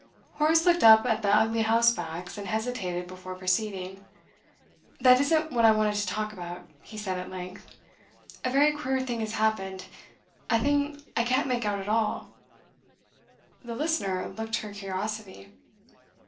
Horace looked up at the ugly house backs, and hesitated before proceeding. 'That isn't what I wanted to talk about,' he said at length. 'A very queer thing has happened, a thing I can't make out at all.' The listener looked her curiosity.